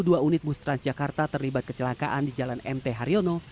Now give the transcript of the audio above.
dua unit bus transjakarta terlibat kecelakaan di jalan mt haryono